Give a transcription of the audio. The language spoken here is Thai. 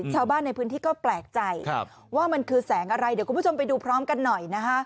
ชาวบ้านในพื้นที่ก็แปลกใจว่ามันคือแสงอะไรเดี๋ยวคุณผู้ชมไปดูพร้อมกันหน่อยนะฮะ